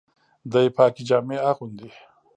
دی پاکي جامې اغوندي.